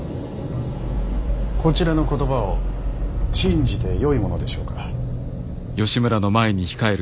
こちらの言葉を信じてよいものでしょうか。